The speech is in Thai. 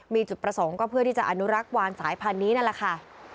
มีจุดประสงค์ก็เพื่อที่จะอนุรักษ์วานสายพันธุ์นี้นั่นแหละค่ะ